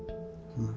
うん。